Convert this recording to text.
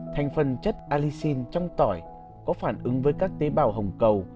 thành phần chất alixin trong tỏi có phản ứng với các tế bào hồng cầu